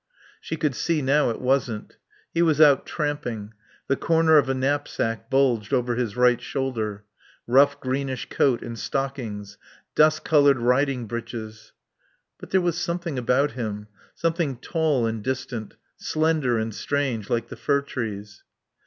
She could see now it wasn't. He was out tramping. The corner of a knapsack bulged over his right shoulder. Rough greenish coat and stockings dust coloured riding breeches But there was something about him. Something tall and distant; slender and strange, like the fir trees.